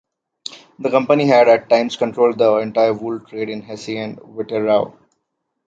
The company had, at times, controlled the entire wool trade in Hesse and Wetterau.